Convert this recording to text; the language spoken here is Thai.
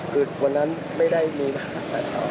คือวันนั้นไม่ได้มีปัญหาตัดต่อ